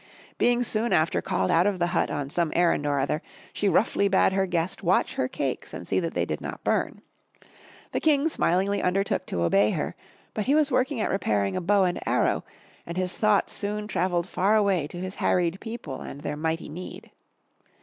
Being soon after called out of the hut on some errand or other, she roughly bade her guest watch her cakes and see that they did not burn. The King smilingly undertook to obey her, but he was working at repairing a bow and arrow, and his thoughts soon travelled far away to his harried people and their mighty need.